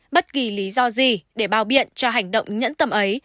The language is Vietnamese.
bất kỳ lý do gì để bao biện cho hành động nhẫn tầm ấy